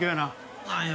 そうなんよ。